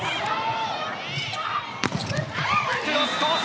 クロスコース。